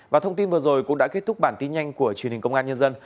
và thông tin vừa rồi cũng đã kết thúc bản tin nhanh của truyền hình công an nhân dân